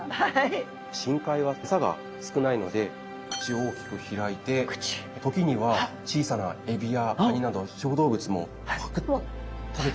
深海はエサが少ないので口を大きく開いて時には小さなエビやカニなど小動物もパクっと食べてしまうような。